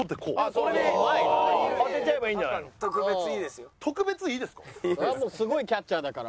そりゃもうすごいキャッチャーだから。